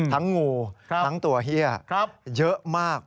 งูทั้งตัวเฮียเยอะมาก